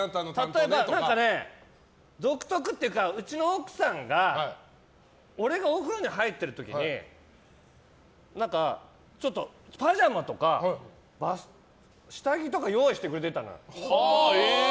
例えば、独特っていうかうちの奥さんが俺がお風呂に入ってる時にパジャマとか下着とか用意してくれてたの。